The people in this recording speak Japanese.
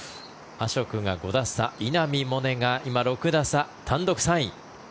アショクが５打差稲見萌寧が今、６打差単独３位。